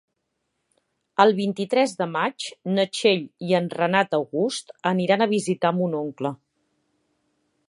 El vint-i-tres de maig na Txell i en Renat August aniran a visitar mon oncle.